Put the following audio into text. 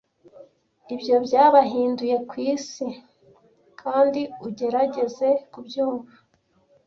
Ibyo byabahinduye ku isi, kandi ugerageze kubyumva